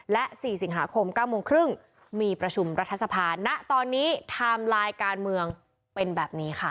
และ๔สิงหาคม๙โมงครึ่งมีประชุมรัฐสภาณตอนนี้ไทม์ไลน์การเมืองเป็นแบบนี้ค่ะ